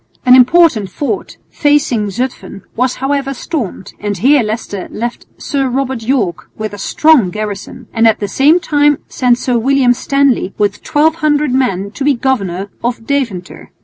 An important fort facing Zutphen was however stormed, and here Leicester left Sir Robert Yorke with a strong garrison, and at the same time sent Sir William Stanley with 1200 men to be governor of Deventer.